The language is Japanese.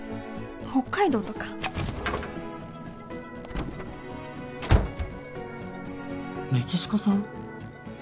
北海道とかメキシコ産？